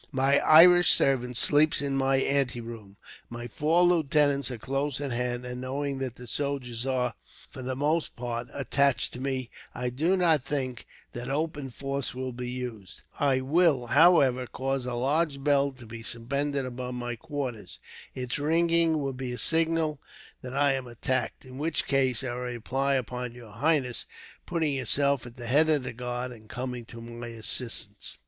"My Irish servant sleeps in my anteroom, my four lieutenants are close at hand, and knowing that the soldiers are, for the most part, attached to me, I do not think that open force will be used. I will, however, cause a large bell to be suspended above my quarters. Its ringing will be a signal that I am attacked, in which case I rely upon your highness putting yourself at the head of the guard, and coming to my assistance."